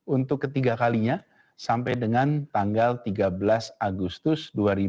untuk ketiga kalinya sampai dengan tanggal tiga belas agustus dua ribu dua puluh